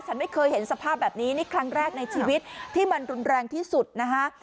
ฉันไม่เคยเห็นสภาพแบบนี้นี่ครั้งแรกในชีวิตที่มันรุนแรงที่สุดนะคะ